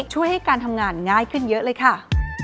ช่วยให้การทำงานง่ายขึ้นเยอะเลยค่ะ